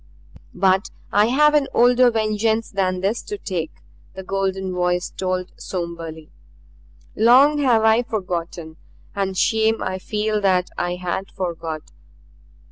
"But I have an older vengeance than this to take," the golden voice tolled somberly. "Long have I forgotten and shame I feel that I had forgot.